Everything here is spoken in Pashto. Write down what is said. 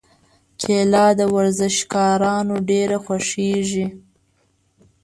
کېله د ورزشکارانو ډېره خوښېږي.